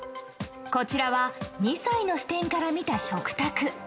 こちらは２歳の視点から見た食卓。